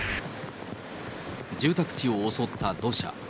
住宅地を襲った土砂。